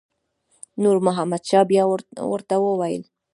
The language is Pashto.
نور محمد شاه بیا ورته وویل.